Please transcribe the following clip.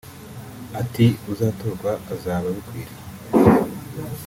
Ati “Uzatorwa azaba abikwiye